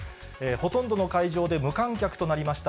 ほとんどの会場で無観客となりました